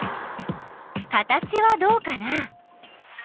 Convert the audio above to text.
形はどうかな？